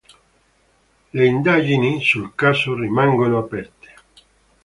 Le indagini sul caso rimangono aperte.